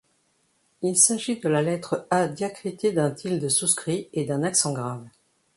Il s’agit de la lettre A diacritée d’un tilde souscrit et d’un accent grave.